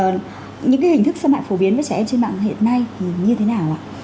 những hình thức xâm hại phổ biến với trẻ em trên mạng hiện nay như thế nào ạ